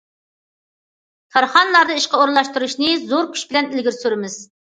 كارخانىلاردا ئىشقا ئورۇنلاشتۇرۇشنى زور كۈچ بىلەن ئىلگىرى سۈرىمىز.